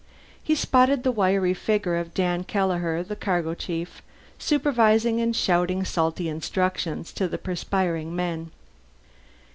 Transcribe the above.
He spotted the wiry figure of Dan Kelleher, the cargo chief, supervising and shouting salty instructions to the perspiring men.